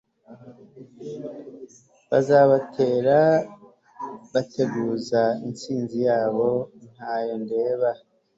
Bazabatera batekuza Intsinzi yabo ntayo ndeba